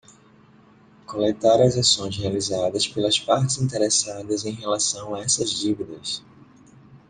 Coletar as ações realizadas pelas partes interessadas em relação a essas dívidas.